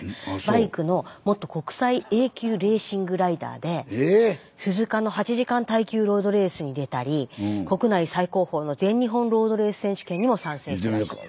バイクの元国際Ａ級レーシングライダーで鈴鹿の８時間耐久ロードレースに出たり国内最高峰の全日本ロードレース選手権にも参戦してらっしゃった。